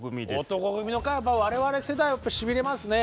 男闘呼組の回は我々世代はしびれますね。